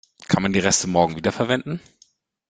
Kann man die Reste morgen wiederverwenden?